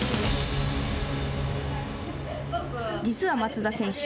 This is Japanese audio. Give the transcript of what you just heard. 実は松田選手